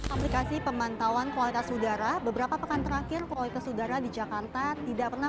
aplikasi pemantauan kualitas udara beberapa pekan terakhir kualitas udara di jakarta tidak pernah